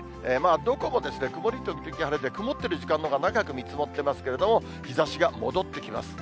どこも曇り時々晴れで、曇ってる時間のほうが長く見積もってますけれども、日ざしが戻ってきます。